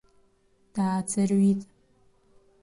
Дааӡырҩит.